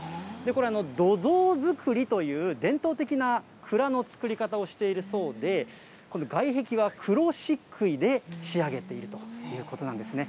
これ、土蔵造りという伝統的な蔵の造り方をしているそうで、外壁は黒しっくいで仕上げているということなんですね。